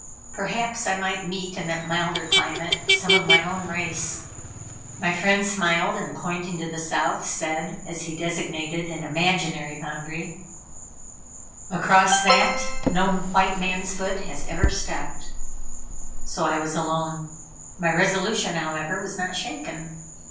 Perhaps I might meet in that milder climate some of my own race. My friend smiled, and pointing to the South, said, as he designated an imaginary boundary: "Across that no white man's foot has ever stepped." So I was alone. My resolution, however, was not shaken.